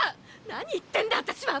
何言ってんだ私は！